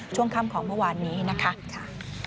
ช่วงค่ำของเมื่อวานนี้นะคะ